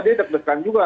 dia deg degan juga